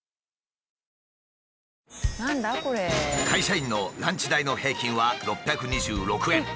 会社員のランチ代の平均は６２６円。